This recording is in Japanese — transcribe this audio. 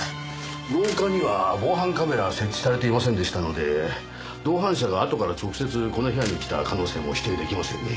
廊下には防犯カメラは設置されていませんでしたので同伴者があとから直接この部屋に来た可能性も否定出来ませんね。